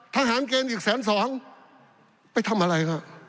ทหารเกณฑ์อีกแสนสองไปทำอะไรครับ